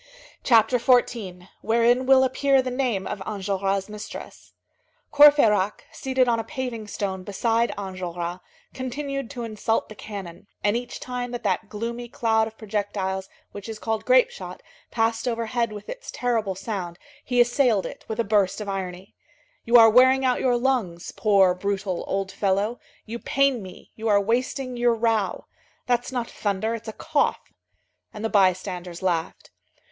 CHAPTER XIV—WHEREIN WILL APPEAR THE NAME OF ENJOLRAS' MISTRESS Courfeyrac, seated on a paving stone beside Enjolras, continued to insult the cannon, and each time that that gloomy cloud of projectiles which is called grape shot passed overhead with its terrible sound he assailed it with a burst of irony. "You are wearing out your lungs, poor, brutal, old fellow, you pain me, you are wasting your row. That's not thunder, it's a cough." And the bystanders laughed.